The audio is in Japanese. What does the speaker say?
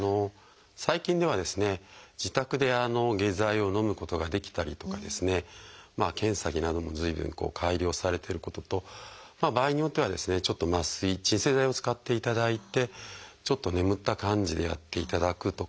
最近ではですね自宅で下剤をのむことができたりとか検査着なども随分改良されてることと場合によってはですねちょっと麻酔鎮静剤を使っていただいてちょっと眠った感じでやっていただくとかですね